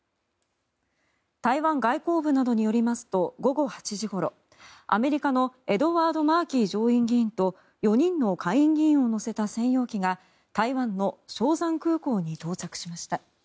台湾外交部などによりますと午後８時ごろアメリカのエドワード・マーキー上院議員と４人の下院議員を乗せた専用機が台湾の松山空港に到着しました。